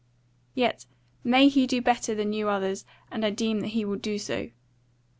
Yet may he do better than you others, and I deem that he will do so.